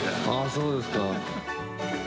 そうですか。